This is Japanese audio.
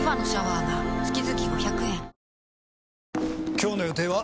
今日の予定は？